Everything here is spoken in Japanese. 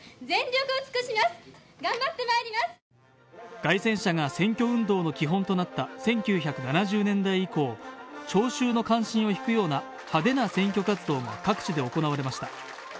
街宣車が選挙活動の基本となった１９７０年代以降、聴衆の関心を引くような派手な選挙活動が各地で行われました。